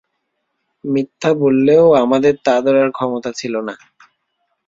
মিথ্যা বললেও আমাদের তা ধরার ক্ষমতা ছিল না।